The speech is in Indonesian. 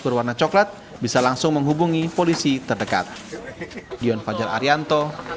berwarna coklat bisa langsung menghubungi polisi terdekat